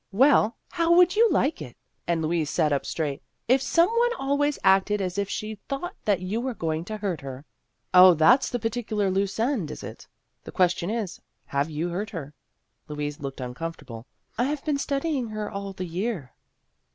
" Well, how would you like it," and Louise sat up straight, " if some one al ways acted as if she thought that you were going to hurt her ?"" Oh, that 's the particular ' loose end,' is it ? The question is, have you hurt her?" Louise looked uncomfortable. " I have been studying her all the year."